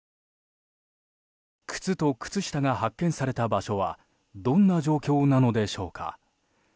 靴と靴下が発見された場所はどんな状況なのでしょうか。